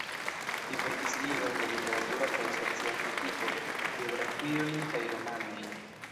Li verkis librojn de literatura kaj socia kritiko, biografiojn kaj romanojn.